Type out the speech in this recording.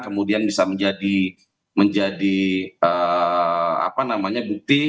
kemudian bisa menjadi bukti